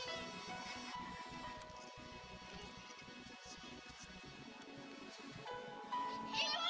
suara gita yang menyenangkan dalam hal krim